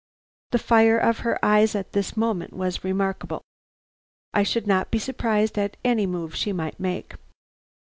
The fire of her eyes at this moment was remarkable. I should not be surprised at any move she might make.